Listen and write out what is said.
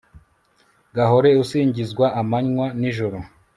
gahore usingizwa amanywa n'ijoro